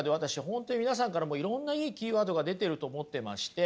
本当に皆さんからもいろんないいキーワードが出てると思ってまして。